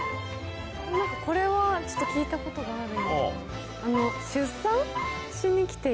何かこれはちょっと聞いたことがある。